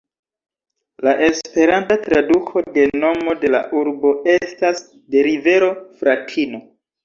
La esperanta traduko de nomo de la urbo estas "de rivero "Fratino".